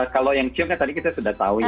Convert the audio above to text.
kalau yang ciumnya tadi kita sudah tahu ya